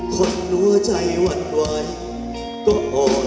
คนหัวใจหวั่นไหวก็อดละถ้วยทุกที